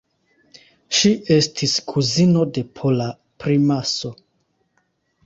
Ŝi estis kuzino de pola primaso.